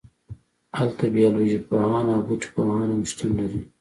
هلته بیالوژی پوهان او بوټي پوهان هم شتون لري